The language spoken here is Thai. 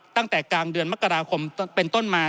ตั้งแต่กลางเดือนมกราคมเป็นต้นมา